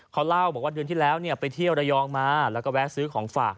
เขาเล่าบอกว่าเดือนที่แล้วไปเที่ยวระยองมาแล้วก็แวะซื้อของฝาก